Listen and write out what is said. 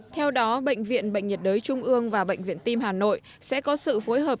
theo đó bệnh viện bệnh nhiệt đới trung ương và bệnh viện tim hà nội sẽ có sự phối hợp